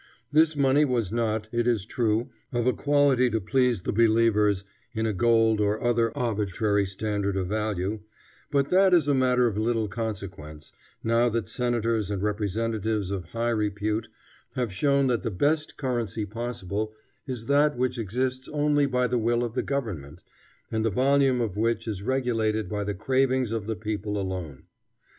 This money was not, it is true, of a quality to please the believers in a gold or other arbitrary standard of value, but that is a matter of little consequence, now that senators and representatives of high repute have shown that the best currency possible is that which exists only by the will of the government, and the volume of which is regulated by the cravings of the people alone.